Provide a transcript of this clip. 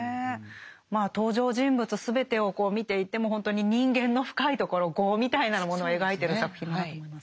まあ登場人物全てをこう見ていてもほんとに人間の深いところ業みたいなものを描いてる作品だと思いますね。